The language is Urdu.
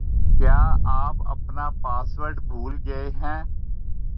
کیا آپ اپنا پاسورڈ بھول گئے ہیں